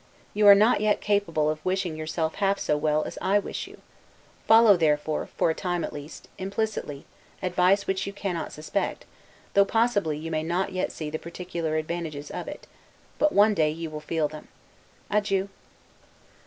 You are not yet capable of wishing yourself half so well as I wish you; follow therefore, for a time at least, implicitly, advice which you cannot suspect, though possibly you may not yet see the particular advantages of it; but you will one day feel them. Adieu.